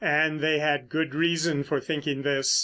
And they had good reason for thinking this.